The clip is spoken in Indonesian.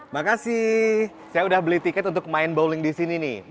makasih saya udah beli tiket untuk main bowling di sini nih